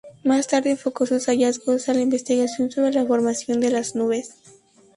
Más tarde enfocó sus hallazgos a la investigación sobre la formación de las nubes.